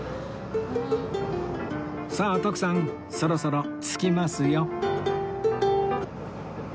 さあ徳さんそろそろ着きますよ